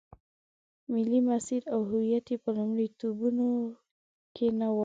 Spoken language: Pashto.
ملي مسیر او هویت یې په لومړیتوبونو کې نه و.